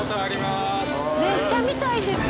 列車みたいですよ。